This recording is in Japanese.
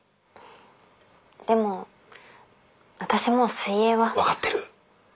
でも私もう水泳は。分かってる！